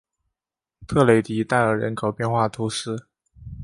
特雷迪代尔人口变化图示